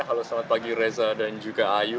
halo selamat pagi reza dan juga ayu